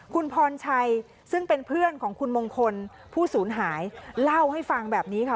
คุณพรชัยซึ่งเป็นเพื่อนของคุณมงคลผู้สูญหายเล่าให้ฟังแบบนี้ค่ะ